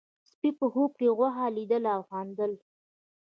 سپي په خوب کې غوښه لیدله او خندل.